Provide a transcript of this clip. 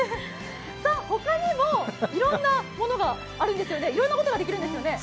ほかにもいろんなものがあるんですよね、いろんなことができるんですよね？